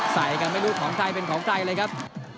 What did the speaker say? ใส่กันไม่รู้ของใครเป็นของใครเลยครับ